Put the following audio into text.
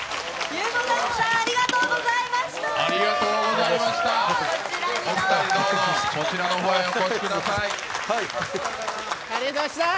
ゆんぼだんぷさん、ありがとうございました。